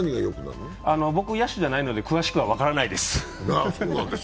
僕、野手じゃないので、詳しくは分からないです。